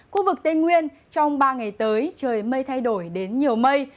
khu vực tây nguyên trong ba ngày tới trời mây thay đổi đến nhiều mây